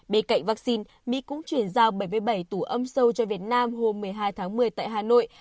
bên cạnh vaccine mỹ cũng chuyển giao bảy mươi bảy tủ âm sâu cho việt nam hôm một mươi hai tháng một mươi tại hà nội